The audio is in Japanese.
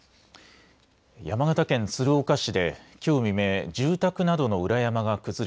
山形県鶴岡市できょう未明住宅などの裏山が崩れ